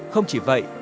không chỉ vậy